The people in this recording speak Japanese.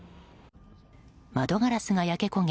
窓ガラスが焼け焦げ